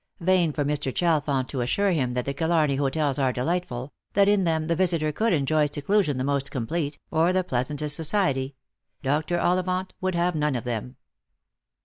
Vain for Mr. Chalfont to assure him that the Killarney hotels are delightful, that in them the visitor could enjoy seclusion the most complete, or the pleasantest society ; Dr. Ollivant would have none of them.